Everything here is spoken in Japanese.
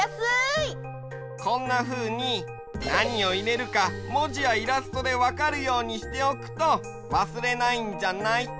こんなふうになにをいれるかもじやイラストでわかるようにしておくとわすれないんじゃない？